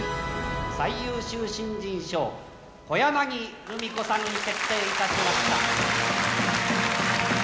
最優秀新人賞、小柳ルミ子さんに決定いたしました。